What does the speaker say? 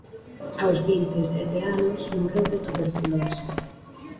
Aos vinte e sete anos morreu de tuberculose.